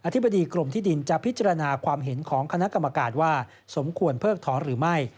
ธิบดีกรมที่ดินจะพิจารณาความเห็นของคณะกรรมการว่าสมควรเพิกถอนหรือไม่